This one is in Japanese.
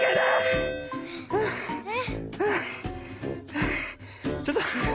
はあちょっと。